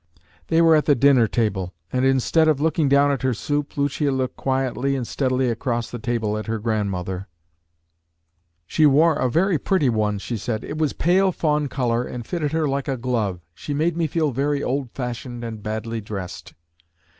They were at the dinner table; and, instead of looking down at her soup, Lucia looked quietly and steadily across the table at her grandmother. "She wore a very pretty one," she said: "it was pale fawn color, and fitted her like a glove. She made me feel very old fashioned and badly dressed."